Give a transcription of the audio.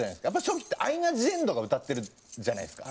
初期ってアイナ・ジ・エンドが歌ってるじゃないですか。